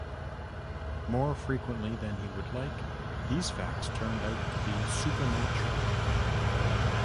More frequently than he would like, these facts turned out to be supernatural.